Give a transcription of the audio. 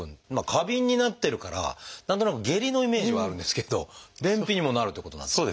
過敏になってるから何となく下痢のイメージはあるんですけど便秘にもなるってことなんですか？